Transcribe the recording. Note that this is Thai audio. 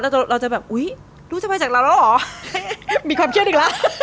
เราจะแบบอุ๊ยรู้จะไปจากเราแล้วเหรอมีความเครียดอีกแล้ว